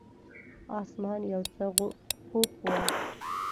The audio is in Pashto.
اسمان یو څه خوپ و.